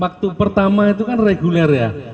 waktu pertama itu kan reguler ya